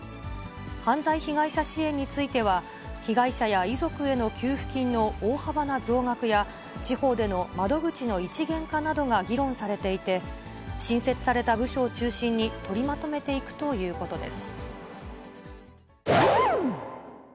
犯罪被害者支援については、被害者や遺族への給付金の大幅な増額や、地方での窓口の一元化などが議論されていて、新設された部署を中心に取りまとめていくということです。